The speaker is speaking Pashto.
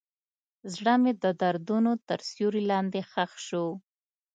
زړه مې د دردونو تر سیوري لاندې ښخ شو.